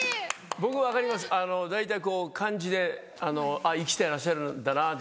僕分かります大体こう感じで生きてらっしゃるんだなって。